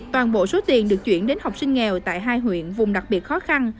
toàn bộ số tiền được chuyển đến học sinh nghèo tại hai huyện vùng đặc biệt khó khăn